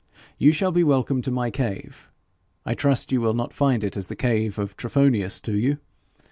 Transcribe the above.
You shall be welcome to my cave. I trust you will not find it as the cave of Trophonius to you.